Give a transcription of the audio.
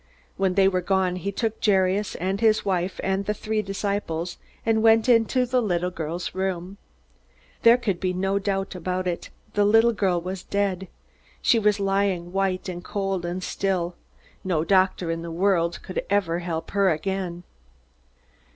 When they were gone he took Jairus and his wife, and the three disciples, and went into the little girl's room. There could be no doubt about it the girl was dead. She was lying white and cold and still. No doctor in the world could ever help her again.